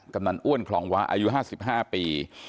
กำลังอ้วนของว้าอายุ๕๕ปี